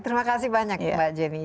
terima kasih banyak mbak jenny